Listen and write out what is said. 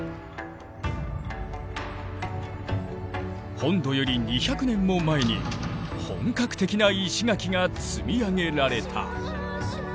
本土より２００年も前に本格的な石垣が積み上げられた。